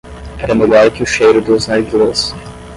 Era melhor que o cheiro dos narguilés.